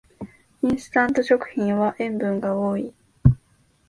インスタント食品は塩分が多い